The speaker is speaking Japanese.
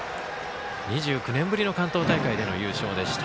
２９年ぶりの関東大会での優勝でした。